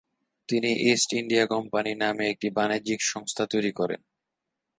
তিনি East India Company নামে একটি বাণিজ্যিক সংস্থা তৈরি করেন।